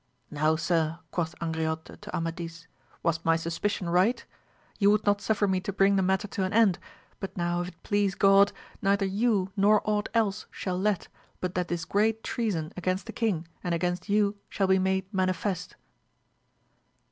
Now sir, quoth Angriote to Amadis, was my suspicion right 1 You would not suffer me to bring the matter to an end, but now if it please God neither you nor ought else shall let, but that this great treason against the king and against you shall be made manifest.